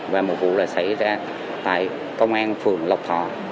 và một vụ là xảy ra tại công an phường lộc thọ